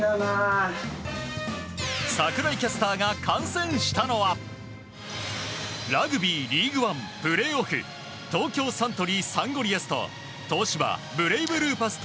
櫻井キャスターが観戦したのはラグビーリーグワンプレーオフ東京サントリーサンゴリアスと東芝ブレイブルーパス